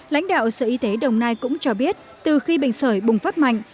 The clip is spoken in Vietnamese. lãnh đạo sở y tế đồng nai cũng cho biết từ khi bệnh sởi bùng phát mạnh